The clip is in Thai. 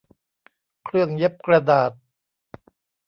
เครื่องเย็บกระดาษ